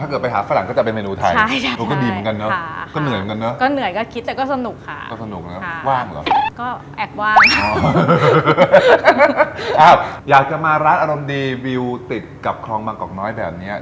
อ๋อถ้าเกิดไปทานฝรั่งก็จะเป็นเมนูไทยอ๋อก็ดีเหมือนกันนะก็เหนื่อยเหมือนกันเนอะ